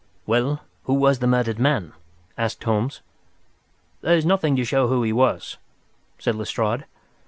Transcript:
"Well, who was the murdered man?" asked Holmes. "There's nothing to show who he was," said Lestrade.